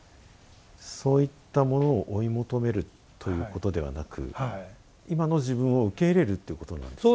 そういったものを追い求めるということではなく今の自分を受け入れるってことなんですか？